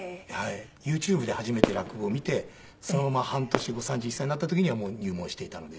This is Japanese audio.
ＹｏｕＴｕｂｅで初めて落語を見てそのまま半年後３１歳になった時にはもう入門していたので。